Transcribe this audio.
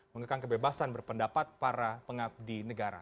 mengekang kebebasan berpendapat para pengabdi negara